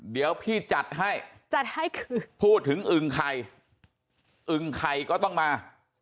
เดี๋ยวพี่จัดให้จัดให้พูดถึงอึงไข่อึงไข่ก็ต้องมา